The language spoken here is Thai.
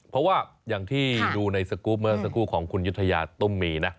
เพราะว่าอย่างที่ดูในสกรูปเมื่อสักครู่ของคุณยุธยาตุ้มมีนะ